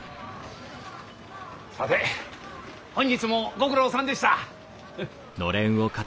さて本日もご苦労さんでした。